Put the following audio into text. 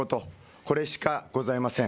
これしかございません。